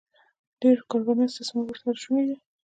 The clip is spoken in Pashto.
د ډېرو کارګرانو استثمار ورسره شونی دی